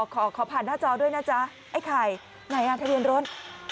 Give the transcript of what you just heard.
ขอผ่านหน้าจอด้วยนะจ๊ะไอ้ไข่ไหนอ่ะทะเบียนรถ